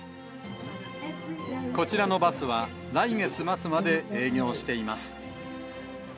こちらのバスは、来月末まで営業しています。